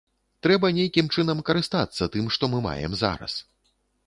Трэба нейкім чынам карыстацца тым, што мы маем зараз.